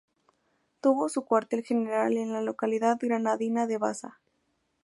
Tuvo su cuartel general en la localidad granadina de Baza.